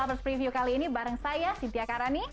lovers preview kali ini bareng saya sintia karani